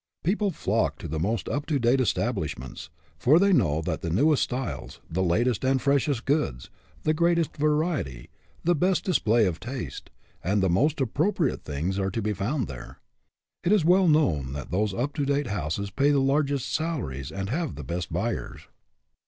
People flock to the most up to date estab lishments, for they know that the newest styles, the latest and freshest goods, the greatest variety, the best display of taste, and the most appropriate things are to be found there. It is well known that those up to date houses pay the largest salaries and have the best buyers.